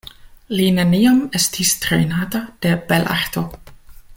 Li neniam estis trejnata de belarto.